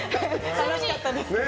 楽しかったですけど。